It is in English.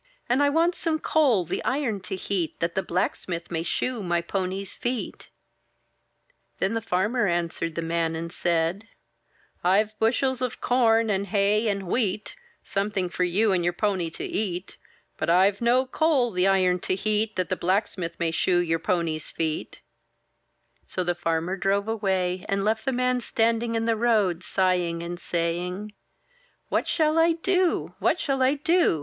And I want some coal the iron to heat, That the blacksmith may shoe my pony's feet." Then the farmer answered the man and said: — rve bushels of corn, and hay, and wheat, Something for you and your pony to eat; But Fve no coal the iron to heat, That the blacksmith may shoe your pony's feet/' So the farmer drove away and left the man standing in the road, sighing and saying: — 'What shall I do? What shall I do?